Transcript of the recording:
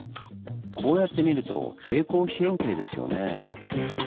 こうやって見ると平行四辺形ですよねぇ。